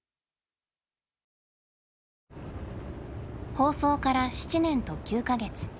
放送から７年と９か月。